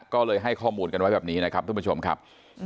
ก็เลยให้ข้อมูลกันไว้แบบนี้นะครับท่านผู้ชมครับ